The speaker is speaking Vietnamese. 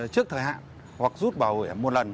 trước thời hạn hoặc rút bảo hiểm một lần